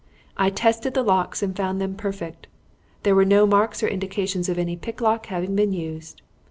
I tested the locks and found them perfect; there were no marks or indications of any picklock having been used.